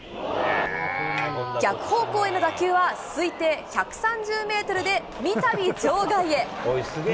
逆方向への打球は推定１３０メートルで、みたび場外へ。